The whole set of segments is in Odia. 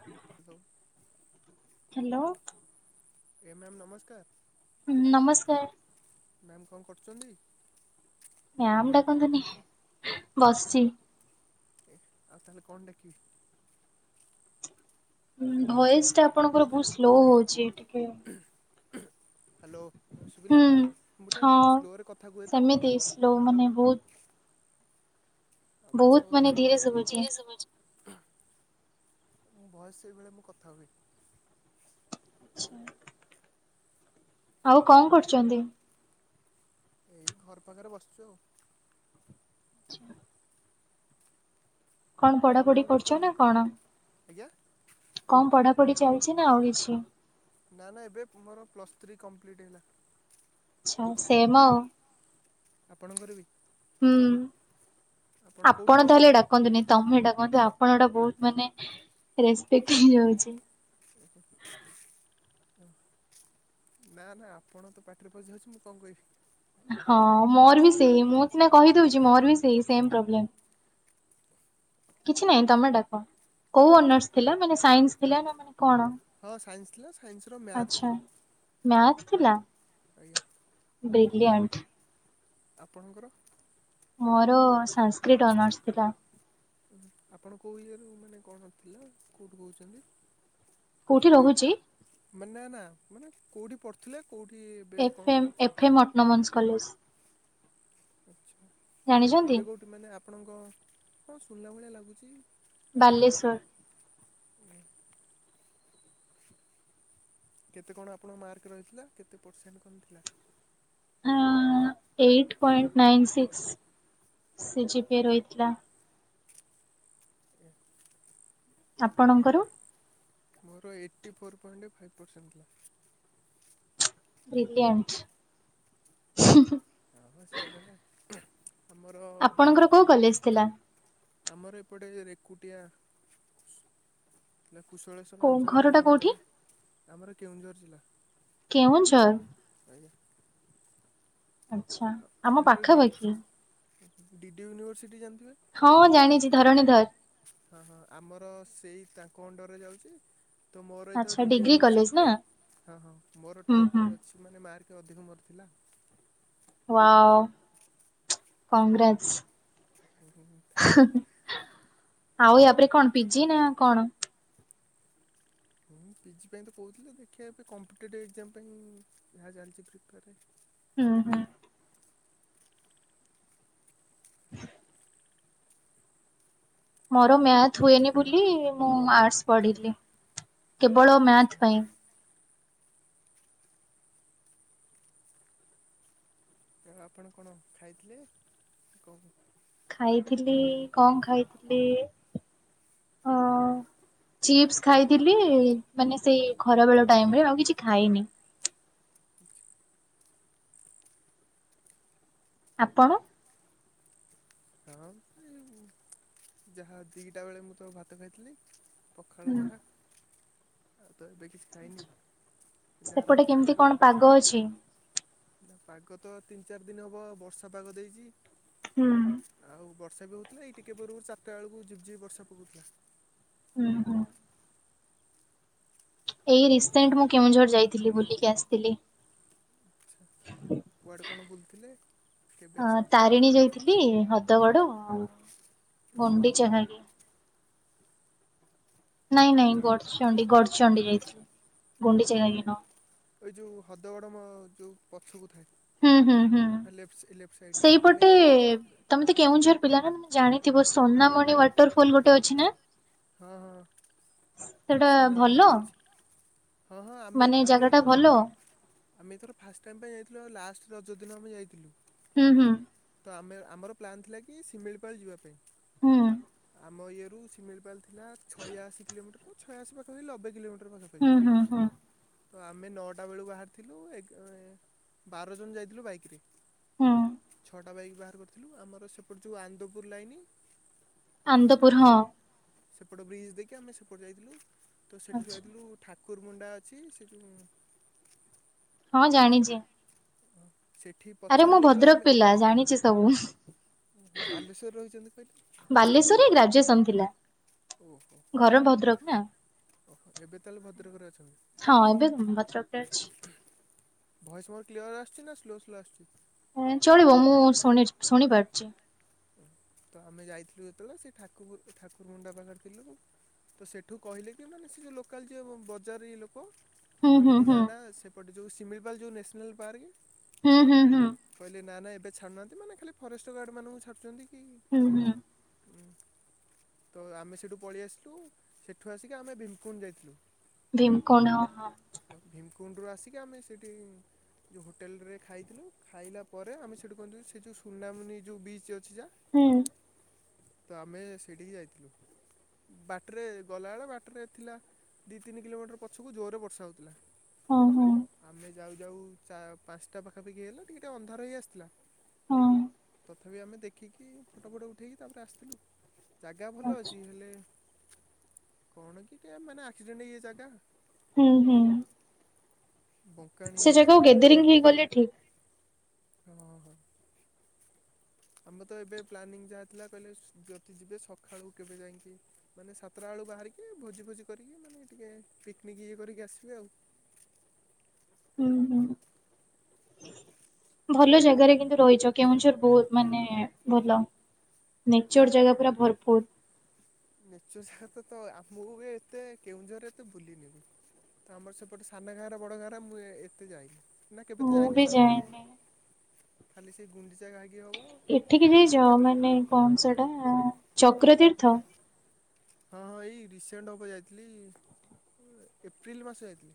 ହୁଁ ହ୍ୟାଲୋ ହ୍ୟାଲୋ ଏ ମ୍ୟାମ୍ ନମସ୍କାର ହୁଁ ନମସ୍କାର ମ୍ୟାମ କଣ କରୁଛନ୍ତି ମ୍ୟାାମ ଡାକନ୍ତୁନି ବସିଛି ଏ ଆଉ ତାହେଲେ କଣଡକିବି ହଁ ଭଏସ ଟା ଆପଣଙ୍କର ବହୁତ ସ୍ଲୋ ହଉଛି ଟିକେ ହ୍ୟାଲୋ ଏ ହୁଁ ସୁଭିଲା ମୁଁ ଗୋଟେ ସ୍ଲୋରେ କଥା କୁହେ ତ ଲୋମାନେ ବହୁତ ବାସ ବହୁତ ଟା ମେ ମାନେ ସ୍ଲୋ ଧୀରେ ଶୁଭୁଛି। ଆସ ମୁଁ ବୟସ ସେଇଭଳେ ମୁଁ କଥା ହୁଏ ଆଚଛା ଆଉ କଣ କରୁଛନ୍ତି ଏଇ ଘର ପାଖରେ ବସିଛୁ ଆଉ କଣ ଆପଣ ପଢାପଢି କଣ କରୁଛ କରୁଛନ୍ତି ଆଜ୍ଞା କମ ପଢାପଢି ଚାଲିଛି ନା ଆଉ କିଛି ନା ନା ଏବେ ମୋର ପ୍ଲସ୍ ଥ୍ରୀ କମ୍ପ୍ଲିଟ୍ ହେଲା ଆଛା ସେମ ଆଉ ଆପଣଙ୍କର ବି ହୁଁ କେଉଁଠୁ ଆପଣ ତାହେଲେ କହୁଛନ୍ତି ଡାକନ୍ତୁନି ତମେ ଏଟା କୁହନ୍ତୁ ଆପଣଟା ବହୁତ ମାନେ ରେଷପେକ୍ଟ ହେଇଯାଉଛି ଆଛା ଓ ନା ନା ଆପଣ ତ ପାଟିରେ ପସିି ଯାଉଛି ମୁଁ କଣ କହିବି ହଁ ମୋର ବି ସେଇ ମୁଁ ସିନା କହିଦଉଛି ମୋର ବି ସେଇ ସେମ ପ୍ରୋବ୍ଲେମ କିଛି ନାହିଁ ତମେ ଡା କଣ କୋଉ ଅନର୍ସ ଥିଲା ମାନେ ସାଇନ୍ସ ଥିଲା ନା ମାନେ କଣ ହଁ ସାଇନ୍ସ ଥିଲା ସାଇନ୍ସର ମ୍ୟାଥ ଥିଲା ମ୍ୟାଥ ଥିଲା ଆଜ୍ଞା ବ୍ରିଲିଅଣ୍ଟ୍ ଆପଣଙ୍କର ମୋର ସାଂସସ୍କ୍ରିଟ ଅନର୍ସ ଥିଲା ଓ ଆପଣ କୋଉ ଇଏ ରୁ ମାନେ କଣ ଥିଲା କୋଉଠୁ କହୁଛନ୍ତି କୋଉଠି ରହୁଛି ମାନେ ନା ନା ମାନେ କୋଉଠି ପ ଥିଲେ କୋଉଠି ଏବେ କଣ F M F M autonomous college ଆଚ୍ଛା ଜାଣିଛନ୍ତି ଏବେ କେଉଁଠି ମାନେ ଆପଣଙ୍କ ହଁ ସୁଣିଲା ଭଳିଆ ଲାଗୁଛି ବାଲେଶ୍ଵର ହୁଁ କେତେ କଣ ଆପଣଙ୍କ ମାର୍କ ରହିଥିଲା କେତେ ପରସେଣ୍ଟ କମ୍ ଥିଲା eight point nine six GB ରହିଥିଲା ଏ ଆପଣଙ୍କର ମୋର eighty four point five percent ଥିଲା ବ୍ରିଲିଆଣ୍ଟ ହଁ ସେଇଭଳିଆ ଆମର ଆପଣଙ୍କର କୋଉ କଲେଜ ଥିଲା? ଆମର ଏପଟେ ରେକୁଟିଆ ହେ କୁଶଳେଶ୍ୱର କୋଉ ଆଞ୍ଚଳିକ ଘରଟା କୋଉଠି? ମହାବିଦ୍ୟାଳୟ ଆମର କେଉଁଝର ଜିଲ୍ଲା କେଉଁଝର ଆଜ୍ଞା ଆଛା ଆମ ଆମର ଡି ପାଖାପାଖି ଡି ଡି ୟୁନିଭର୍ସିଟି ଜାଣିଥିବେ ହଁ ଜାଣିଛି ଧରଣୀଧର ହଁ ହଁ ଆମର ସେଇ ତାଙ୍କ ଅଣ୍ଡରେ ଯାଉଛି ତ ମୋର ଏଇଥ ଆଚ୍ଛା ଡିଡି ଡିଗ୍ରୀ କଲେଜ ନା ୟୁନିଭର୍ସିଟିରେ ହଁ ହଁ ମୋର ହୁଁ ଟପ ହୁଁ ରେ ଅ ସେମାନେ ମାର୍କେ ଅଧିକ ମର ଥିଲା ୱଓ କଂଗ୍ରାଟ୍ସ ହୁଁ ହୁଁ ହଁ ଥ୍ୟାଙ୍କୟୁ ଆଉ ୟା ପରେରେ କଣ ପିଜି ନା କଣ ହଁ ପିଜି ପାଇଁ ତ କହୁଥିଲି ଦେଖିବା ଏବେ କମ୍ପିଟେଟିଭ୍ ଏକ୍ଜାମ ପାଇଁ ଯାହା ଚାଲିଛି ପ୍ରିପେୟାର ହୁଁ ହୁଁ [inaudible] ମୋର ମ୍ୟାଥ ହୁଏନି ବୋଲି ମୁଁ ଆର୍ଟସ୍ ପଢିଲି କେବଳ ମ୍ୟା ଥ ପାଇଁ। ଆପଣ କଣ ଖାଇଥିଲେ କଣ? ଖାଇଥିଲି କଣ ଖାଇଥିଲି? ଅ [inaudible] ଚିପ୍ସ ଖାଇଥିଲି ମାନେ ସେଇ ଖରା ବେଳ ଟାଇମ ରେ ଆଉ କିଛି ଖାଇନି। ଆପଣ? ହଁ ସେ ଯାହା ଦିଟା ବେଳେ ମୁଁ ତ ଭାତ ଖାଇଥିଲି। ପଖାଳ ହୁଁ ଯାହା ଆଉ ତ ଏବେ କିଛି ଖାଇନି। ଯାହା ସେପଟେ ରାତିରେ କେମିତି ଖାଇବି ଆଉ କଣ ପାଗ ଅଛି? ନା ପାଗ ତ ତିନି ଚାରି ଦିନ ହେବ ବର୍ଷା ପାଗ ଦେଇଛି। ହୁଁ। ଆଉ ବର୍ଷା ବି ହଉଥିଲା ଏଇ ଟିକେ ପୂର୍ବରୁାରିଟା ବେଳକୁ ଜିପଝି ବର୍ଷା ପକଉଥିଲା। ହୁଁ ହୁଁ। ଏଇ ରିସେଣ୍ଟ ମୁଁ କେଉଁଝର ଯାଇଥିଲି ବୁଲିକି ଆସିଥିଲି। ଆଚ୍ଛା କୁଆଡ଼େ କଣ ବୁଲଥିଲେ କେବେ ଆସିଥିଲେ? ଥିଲି ହଦଗଡ ଓହୋ ଗୁଣ୍ଡିଚାଘାଇ। ନାଇଁ କଣ? ନାଇଁ ଗଡଚଣ୍ଡି ଗଡଚଣ୍ଡି ଯାଇଥିଲି ଗୁଣ୍ଡିଚାଘାଇ ନୁହଁ। ଏଇ ଯୋଉ ହଦଗଡ ମ ଯୋଉ ପଛକୁ ହୁଁ ହୁଁ ହୁଁ ଥାଏ। ଲେ ଲେଫ୍ଟ ସାଇଡ ସେଇପଟେ ଆମେ ଯାଇଛୁ। ତମେ ତ କେଉଁଝର ପିଲା ନା ତମେ ଜାଣିଥିବ ସୋନାମଣି ୱାଟରଫଲ ଗୋଟେ ଅଛି ନା? ହଁ ହଁ। ସେଟା ସୁନାମୁନି ଭଲ? ବିଚ୍ ହଁ ହଁ ଆମେ ମାନେ ଆମେ ଜାଗା ଟା ଏଇଥର ଭଲ ଆମେ ଏଥର ଫାଷ୍ଟ ଟାଇମ୍ ପାଇଁ ଯାଇଥିଲୁ ଆଉ ଲାଷ୍ଟ ରଜଦିନ ଆମେ ଯାଇଥିଲୁ। ହୁଁ ହୁଁ। ତ ଆମେ ଆମର ପ୍ଲାନ୍ ଥିଲା କି ସିମିଳିପାଳ ଯିବା ପାଇଁ ହୁଁ ଆମ ଇଏରୁ ସିମିଳିପାଳ ଥିଲା ଛୟାଅଶୀ କିଲୋମିଟର ଛୟାଅଶୀ ପାଖାପଖି ନବେ କିଲୋମିଟର ପାଖାପାଖି ହୁଁ ହୁଁ ଥିଲା। ହୁଁ ତ ଆମେ ନଅଟା ବେଳୁ ବାହାରିଥିଲୁ ବାର ଜଣ ଯାଇଥିଲୁ ବାଇକରେ ହୁଁ ଛଅଟା ବାଇକ୍ ବାହାର କରିଥିଲୁ ଆମର ସେପଟେ ଯେଉଁ ଆନ୍ଦପୁର ଲାଇନ ଆନ୍ଦପୁର ହଁ। ସେପଟ ବ୍ରିଜ୍ ଦେଇକି ଆମେ ସେପଟେ ଯାଇଥିଲୁ ତ ସେଠୁ ଆଚ୍ଛା ଯାଇଥିଲୁ ଠାକୁର ମୁଣ୍ଡା ଅଛି ସେଠୁଁ ହଁ ଜାଣିଛି। ଅ ସେଠି ଆରେ ମୁଁ ପଚାରିଲୁ ଯେତେବେଳେ ଭଦ୍ରକ ଆମେ ପିଲା ଜାଣିଛି ସବୁ। ଓହୋ ବାଲେଶ୍ୱରରେ ରହିଛନ୍ତି କହିଲେ ବାଲେଶ୍ଵରରେ ଗ୍ରାଜୁଏସନ ଥିଲା ଓହୋ ଘର ଏବେ ଭଦ୍ରକ ନା। ଓହୋ ଏବେ ତାହେଲେ ଭଦ୍ରକରେ ଅଛନ୍ତି? ହଁ ଏବେ ଭଦ୍ରକରେ ଅଛି। ଭଏସ୍ ମୋର କ୍ଲିୟର ଆସୁଛି ନା ସ୍ଲୋ ସ୍ଲୋ ଆସୁଛି? ଚଳିବ ମୁଁ ଶୁଣି ଶୁଣି ପାରୁଛି। ଓ ତ ଆମେ ଯାଇଥିଲୁ ଯେତେବେଳେ ସେ ଠାକୁ ଠାକୁର ମୁଣ୍ଡା ପାଖରେ ଥିଲୁ। ତ ସେଠୁ କହିଲେ କି ମାନେ ସେ ଯେଉଁ ଲୋକାଲ ଯି ବଜାର ଲୋକ ହୁଁ କହିଲେ ହୁଁ କି ନା ହୁଁ ନା ସେପଟେ ଯେଉଁ ସିମିଳିପାଲ ଯେଉଁ ନ୍ୟାସନାଲ୍ ପାର୍କ ହୁଁ ହୁଁ ହୁଁ। କହିଲେ ନା ନା ଏବେ ଛାଡୁନାହାନ୍ତି ମାନେ ଖାଲି ଫରେଷ୍ଟ ଗାର୍ଡ ମାନଙ୍କୁ ଛାଡୁଛନ୍ତି। ହୁଁ ହୁଁ। ହୁଁ। ତ ଆମେ ସେଠୁ ପଳେଇ ଆସିଲୁ ସେଠୁ ଆସିକି ଆମେ ଭୀମକୁଣ୍ଡ ଯାଇଥିଲୁ। ଭୀମକୁଣ୍ଡ ହଁ। ହଁ ଭୀମକୁଣ୍ଡରୁ ଆସିକି ଆମେ ସେଇଠି ଯେଉଁ ହୋଟେଲରେ ଖାଇଥିଲୁ ଖାଇଲା ପରେ ଆମେ ସେଇଠୁ କହିଲୁ ସେ ଯେଉଁ ସୁନାମୁନି ଯେଉଁ ବିଚ୍ ଅଛି ହୁଁ। ତ ଆମେ ସେଇଠିକି ଯାଇଥିଲୁ। ବାଟରେ ଗଲାବେଳେ ବାଟରେ ଥିଲା ଦୁଇ ତିନି କିଲୋମିଟର ପଛକୁ ଜୋରରେ ବର୍ଷା ହେଉଥିଲା। ହଁ ହଁ ଆମେ ଯାଉ ଯାଉ ପାଞ୍ଚଟା ପାଖାପାଖି ହେଲା ଟିକେ ଟିକେ ଅନ୍ଧାର ହେଇ ଆସିଥିଲା। ହଁ। ତଥାପି ଆମେ ଦେଖିକି ଫଟୋ ଫଟୋ ଉଠାଇକି ତାପରେ ଆସିଥିଲୁ। ଜାଗା ଭଲ ଆଚ୍ଛା। ଅଛି ହେଲେ କଣ କି ଟିକେ ମାନେ ଆକ୍ସିଡ଼େଣ୍ଟ ଇଏ ଜାଗା। ହୁଁ ହୁଁ। ବଙ୍କାଣି ସେ ଇଏ ଜାଗା ସବୁ ଥାଏ। ଗେଦରିଂ ହେଇକି ଗଲେ ଠିକ। ହଁ ହଁ ଆମର ତ ଏବେ ପ୍ଲାନିଂ ଯାହା ଥିଲା କହିଲେ ଯଦି ଯିବେ ସକାଳୁ କେବେ ଯାଇକି ମାନେ ସାତଟା ବେଳୁ ବାହାରିକି ଭୋଜି ଭୋଜି କରିକି ମାନେ ଟିକେ ପିକ୍ନିକ୍ ଇଏ କରିକି ଆସିବେ ଆଉ। ହୁଁ ହୁଁ। ଭଲ ଜାଗାରେ କିନ୍ତୁ ରହିଛ କେଉଁଝର ବହୁତ ମାନେ ଭଲ। ନେଚର୍ ଜାଗା ପୁରା ଭରପୁର। ନେଚର ଜାଗା ତ ତ ଆମକୁ ବି ଏତେ କେଉଁଝରରେ ଏତେ ବୁଲିନି ମୁଁ। ତ ଆମର ସେପଟେ ସାନା ଗାଁର ବଡ଼ ଗାଁରେ ମୁଁ ଏତେ ଯାଇକି। ନା କେବେ ତ ମୁଁ ଯାଇନି ବି ସାାନେ ଘର ବଡ ଯାଏନି। ଖାଲି ସେ ଗୁଣ୍ଡିଚାାକି ହବ ଆଉ ଏଠିକି ଯାଇ ଯଅ ମାନେ କଣ ସେଟା ଚକ୍ର ତୀର୍ଥ? ହଁ ହଁ ଏଇ ରିସେଣ୍ଟ ହବ ଯାଇଥିଲି ଏପ୍ରିଲ ମାସ ଯାଇଥିଲି।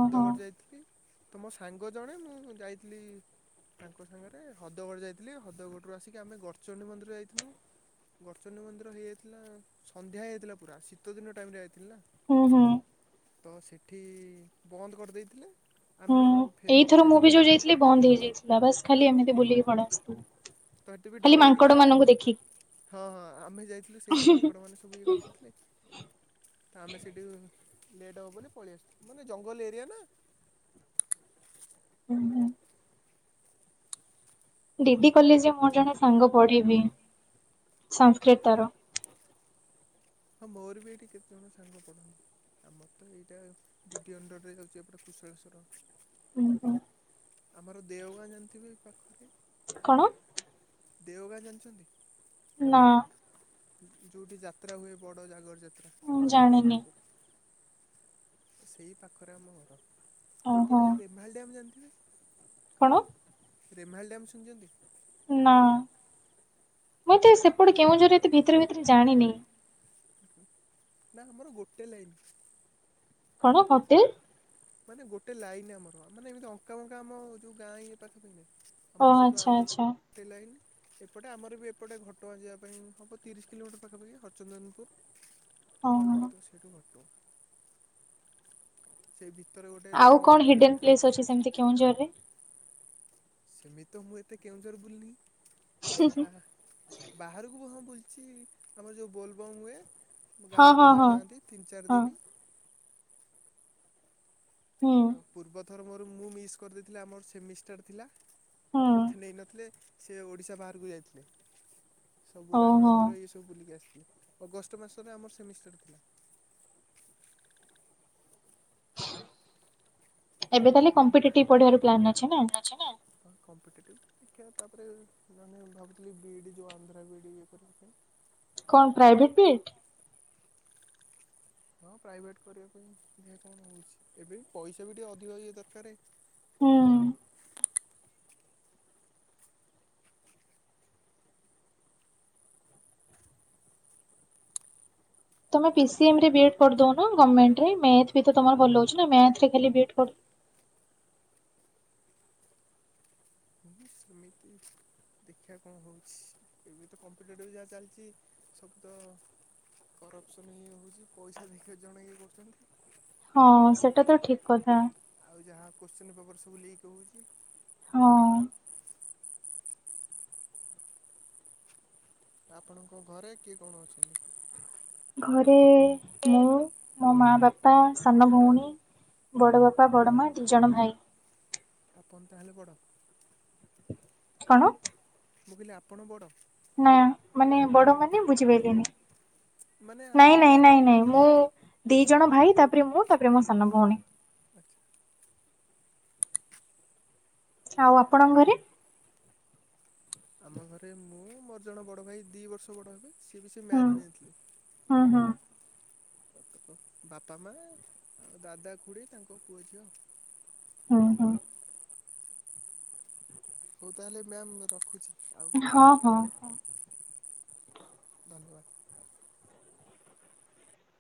ଓହୋ। ଯାଇଥିଲି ତ ମୋ ସାଙ୍ଗ ଜଣେ ମୁଁ ଯାଇଥିଲି। ତାଙ୍କ ସାଙ୍ଗରେ ହଦଗଡ଼ ଯାଇଥିଲି ହଦଗଡ଼ରୁ ଆସିକି ଆମେ ଗଡ଼ଚଣ୍ଡି ମନ୍ଦିର ଯାଇଥିଲୁ। ଗର୍ଚନ ମନ୍ଦିର ହେଇଯାଇଥିଲା ସନ୍ଧ୍ୟା ହେଇଯାଇଥିଲା ପୁରା ଶୀତ ଦିନ ଟାଇମ ରେ ହୋଇଥିଲା ନା। ହୁଁ ହୁଁ। ତ ସେଇଠି ବନ୍ଦ କରିଦେଇଥିଲେ। ଆମେ ହୁଁ ସେଠୁ ଫେରିକି ଏଇଥର ପଳେଇ ମୁଁ ବି ଆସିଥିଲୁ ଯୋଉ ଯାଇଥିଲି ବନ୍ଦ ହେଇଯାଇଥିଲା ବାସ ଖାଲି ଏମିତି ବୁଲିକି ପଡ ଆସିଥିଲି। ତ ହେଠି ବି ଖାଲି ଡର ଲାଗିଲା ମାଙ୍କଡ ମାନଙ୍କୁ ଦେଖିକି। ହଁ ହଁ ଆମେ ଯାଇଥିଲୁ ସେଇ ତ ମାଙ୍କଡ ମାନେ ସବୁ ଇଏ କରିଦେଇଥିଲେ। ଆମେ ସେଇଠି ଲେଟ୍ ହବ ବୋଲି ପଳେଇଆସଛୁ ମାନେ ଜଙ୍ଗଲ ଏରିଆ ନା। ହୁଁ ହୁଁ। ଡିଡି କଲେଜରେ ମୁଁ ଜଣେ ସାଙ୍ଗ ପଢିବି ସଂସ୍କୃତର। ହଁ ମୋର ବି ଏଇଠି କେତେଜଣ ସାଙ୍ଗ ପଡ଼ନ୍ତି। ଆମର ତ ଏଇଟା ଡି ଡି ଅଣ୍ଡରରେ ଯାଉଛି ଏପଟେ କୁଶଳେଶ୍ୱର। ହୁଁ ହୁଁ। ଆମର ଦେଓଗାଁ ଜାଣିଥିବେ ପାଖରେ କଣ? ଦେଓଗାଁ ଜାଣିଛନ୍ତି? ନା। ଯେଉଁଠି ଯାତ୍ରା ହୁଏ ବଡ଼ ଜାଗର ଯାତ୍ରା ମୁଁ ଜାଣିନି କୁଶୁଳେଶ୍ୱଵର। ସେଇ ପାଖରେ ଆମ ଘର ଓହୋ ଏପଟେ େମ୍ଭାଳି ଡି ଆମ ଜାଣିଥିବେ। କଣ? ରେମାଳି ଡ୍ୟମ ଶୁଣିଛନ୍ତି? ନା ମୁଁ ତ ସେପଟେ କେଉଁଝର ଏତେ ଭିତରେ ଭିତରେ ଜାଣିନି। ନା ଆମର ଗୋଟେ ଲାଇନ। କଣ ହଟଲ? ମାନେ ଗୋଟେ ଲାଇନ ଆମର ମାନେ ଏମିତି ଅଙ୍କା ଫଙ୍କା ଆମ ଯୋଉ ଗାଁ ଇଏ ପାଖାପଖ ନାାଇଁ। ଓ ଆମର ସେଇଠୁ ଆଚ୍ଛା ଆନ୍ଦ ଆଚ୍ଛା ଲାଇନ। ଏପଟେ ଆମର ବି ଏପଟେ ଘଟଗାଁ ଯିବା ପାଇଁ ହବ ତିରିଶ କିଲୋମିଟର ପାଖାପାଖି ହରଚନ୍ଦନପୁର। ହଁ ହଁ ତ ସେଇଠୁ ଘଟଟୁ ସେ ବି। ଆଉ କଣ ହିଡେନ ପ୍ଲେସ ଅଛି ସେମିତି କେଉଁଝର ରେ। ସେମିତି ମୁଁ ଏତେ କେଉଁଝର ବୁଲନି ଯାହା। ବାହାରକୁ ବି ହଁ ବୁଲୁଛି ଆମର ଯୋଉ ବୋଲବମ୍ ହୁଏ। ଆମ ଗାଁ ହଁ ହଁ ଲୋକ ହଁ ଯାହା ଯାଆନ୍ତି ତିନି ଚାରି ହଁ ଦିନ। ହୁଁ। ତ ପୂର୍ବଥର ମୋର ମୁଁ ମିସ୍ କରିଦେଇଥିଲ ଆମର ସେମିଷ୍ଟାର ଥିଲା ହୁଁ ମୋତେ ନେଇନଥିଲେ। ସେ ଓଡ଼ିଶା ବାହାରକୁ ଯାଇଥିଲେ ସବୁ ରାମ ଓହୋ। ମନ୍ଦିର। ମୁଁ ବୁଲିକି ଆସିଥିଲି ଅଗଷ୍ଟ ମାସରେ ଆମର ସେମିଷ୍ଟାର ଥିଲା‌ ଏବେ ତାହେଲେ କମ୍ପିଟେଟିଭ ପଢିବାର ପ୍ଲାନ୍ ଅଛି ନା। ଅଛ ନା। ବା କମ୍ପିଟେଟିଭ୍ ଦେଖିବା ତାପରେ ମାନେ ଭାବୁଥିଲି ବିଇଡ଼ି ଯେଉଁ ଆନ୍ଧ୍ର ବିଇଡ଼ି ଇଏ କରିବା ପାଇଁ। କଣ ପ୍ରାଇଭେଟ ବି ହଁ ପ୍ରାଇଭେଟ କରିବା ପାଇଁ ଦେଖିବା କଣ ହଉଛି ଏବେ ପଇସା ବି ଟିକେ ଅଧିକ ଇଏ ଦରକାରେ। ହୁଁ। ତମେ ଆଉ ପି ସ ଏମ୍ ବିଏଡ୍ କରିଦଉ ନା ଗର୍ଣ୍ଣମେଣ୍ଟରେ ମ୍ୟାଥ ବି ତମର ଭଲ ହଉଛି ନା ମ୍ୟାଥରେ ବିଏଡ କରି। ଏ ସେମିତି। ଦେଖିବା କଣ ହଉଛି ଏବେ ତ କମ୍ପିଟେଟିଭ ଯାହା ଚାଲିଛି ସବୁ ତ। କରପସନ ଇଏ ହଉଛି ପଇସା ଦେଇକି ଜଣେଇ ଇଏ କରୁଛନ୍ତି। ହଁ ସେଟା ତ ଠିକ କଥା। ଆଉ ଯାହା କୋଶ୍ଚିନ୍ ପେପର୍ ସବୁ ଲିକ୍ ହଉଛି। ହଁ ଆପଣଙ୍କ ଘରେ କିଏ କଣ ଅଛନ୍ତି? ଘରେ ମୁଁ। ମୋ ମା ବାପା ସାନ ଭଉଣୀ ବଡ଼ ବାପା ବଡ ମା ଦିଜଣ ଭାଇ। ଆପଣ ତାହେଲେ ବଡ। କଣ ମୁଁ କହିଲି ଆପଣ ବଡ଼। ନା ମାନେ ବଡ ମାନେ ବୁଝପାଇଲିନି ମାନେ ନାଇଁ ଆପଣ ନାଇ ଆପଣ ନାଇଁ ନାଇଁ। ମୁଁ ଦି ଜଣ ଭାଇ ତାପରେ ମୁଁ ତାପରେ ମୋ ସାନ ଭଉଣୀ। ଆଚ୍ଛା। ଆଉ ଆପଣଙ୍କ ଘରେ। ଆମ ଘରେ ମୁଁ ମୋର ଜଣେ ବଡ ଭାଇ ଦି ବର୍ଷ ବଡ ହେବେ ସିଏ ବି ସେ ମ୍ୟାଥ ନେଇଥିଲେ। ହଁ ହଁ। ବାପା ମା ଆଉ ଦାଦା ଖୁଡେ ତାଙ୍କ ପୁଅ ଝିଅ। ହଁ ହଁ। ହଉ ତା ହେଲେ ମ୍ୟାମ୍ ରଖୁଛି ଆଉ କେବେ ହଁ ପରେ ହଁ। କଲ୍ କର। ଧନ୍ୟବାଦ।